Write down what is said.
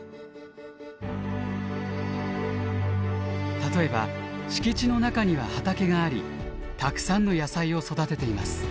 例えば敷地の中には畑がありたくさんの野菜を育てています。